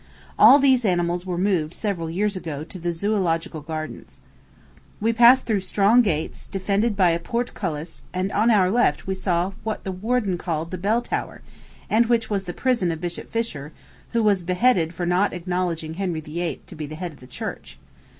All these animals were moved several years ago to the Zoölogical Gardens. We passed through strong gates, defended by a portcullis, and on our left we saw what the warden called the Bell Tower, and which was the prison of Bishop Fisher, who was beheaded for not acknowledging Henry VIII. to be the head of the church.